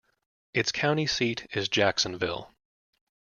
Its county seat is Jacksonville.